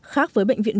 khác với bệnh viện